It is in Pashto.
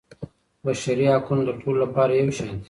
بشري حقونه د ټولو لپاره یو شان دي.